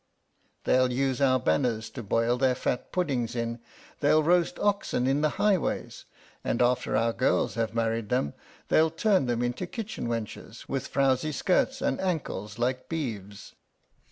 They'll use our banners to boil their fat puddings in, they'll roast oxen in the highways, and after our girls have married them they'll turn them into kitchen wenches with frowsy skirts and ankles like beeves!"